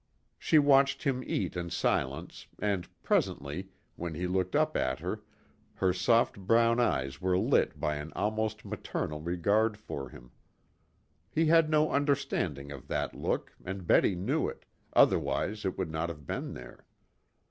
She watched him eat in silence, and, presently, when he looked up at her, her soft brown eyes were lit by an almost maternal regard for him. He had no understanding of that look, and Betty knew it, otherwise it would not have been there.